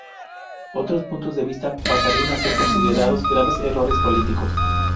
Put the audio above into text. Otros puntos de vista pasarían a ser considerados graves errores políticos.